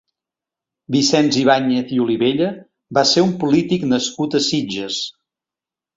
Vicenç Ibàñez i Olivella va ser un polític nascut a Sitges.